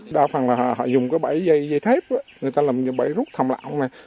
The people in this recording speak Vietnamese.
đa phần là họ dùng cái bẫy dây kép người ta làm bẫy ruốt thầm lão này